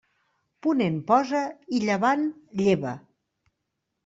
Ponent posa i llevant lleva.